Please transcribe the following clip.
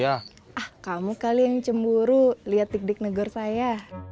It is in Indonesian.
ah kamu kali yang cemburu liat digdig negor saya